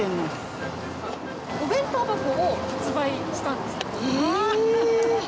お弁当箱を発売したんですよ。